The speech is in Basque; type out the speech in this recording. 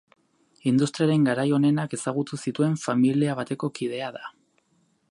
Industriaren garai onenak ezagutu zituen familia bateko kidea da.